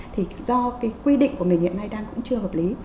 thì do quy định của người nhiệm này đang cũng chưa hợp lý